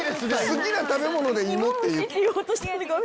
好きな食べ物で芋って。